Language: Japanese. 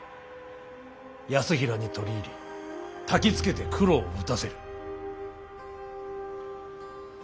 泰衡に取り入りたきつけて九郎を討たせる。